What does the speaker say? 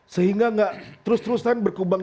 bagaimana pertumbuhan ekonomi ini bisa didorong